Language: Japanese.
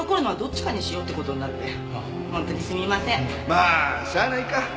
まあしゃあないか。